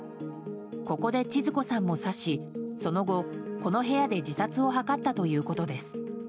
ここで、ちづ子さんも刺しその後、この部屋で自殺を図ったということです。